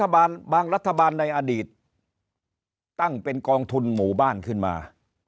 บางรัฐบาลในอดีตตั้งเป็นกองทุนหมู่บ้านขึ้นมา